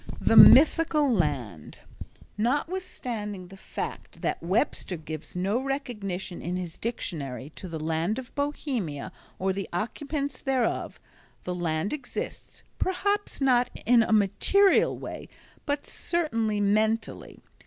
The Mythical Land Notwithstanding the fact that Webster gives no recognition in his dictionary to the Land of Bohemia or the occupants thereof, the land exists, perhaps not in a material way, but certainly mentally.